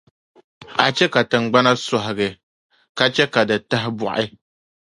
A chɛ ka tiŋgbani sɔhigi, ka chɛ ka di tahi bɔɣi.